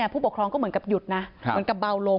ผู้ปกครองก็เหมือนกับหยุดนะเหมือนกับเบาลง